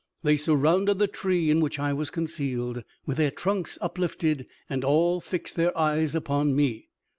They surrounded the tree in which I was concealed, with their trunks uplifted, and all fixed their eyes upon me.